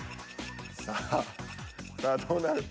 さあさあどうなる。